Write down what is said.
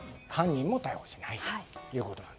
犯人も逮捕しないと。